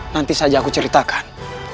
nanti saja aku ceritakan